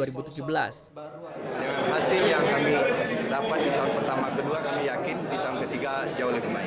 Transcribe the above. hasil yang kami dapat di tahun pertama kedua kami yakin di tahun ketiga jauh lebih baik